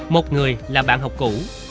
một người là bạn học cũ